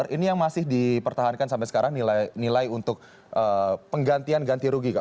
ini yang masih dipertahankan sampai sekarang nilai untuk penggantian ganti rugi